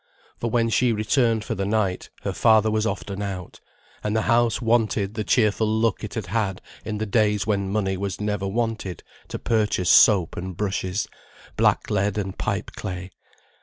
For when she returned for the night her father was often out, and the house wanted the cheerful look it had had in the days when money was never wanted to purchase soap and brushes, black lead and pipe clay.